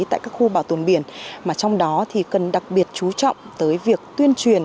tại các khu bảo tồn biển mà trong đó thì cần đặc biệt chú trọng tới việc tuyên truyền